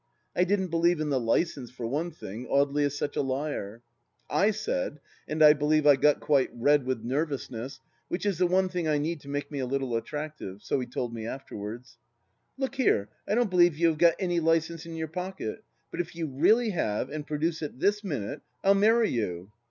I didn't believe in the licence for one thing, Audely is such a liar 1 I said — and I believe I got quite red with nervousness, which is the one thing I need to make me a little attractive, so he told me afterwards :" Look here, I don't believe you have got any licence in your pocket ; but if you really have, and produce it this minute, I'll marry you."